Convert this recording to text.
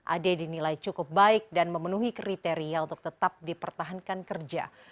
ade dinilai cukup baik dan memenuhi kriteria untuk tetap dipertahankan kerja